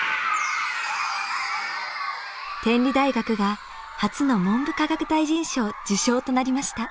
天理大学が初の文部科学大臣賞受賞となりました。